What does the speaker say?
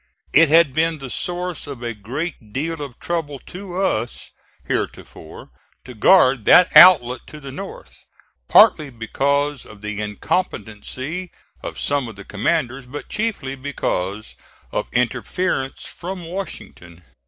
It had been the source of a great deal of trouble to us heretofore to guard that outlet to the north, partly because of the incompetency of some of the commanders, but chiefly because of interference from Washington.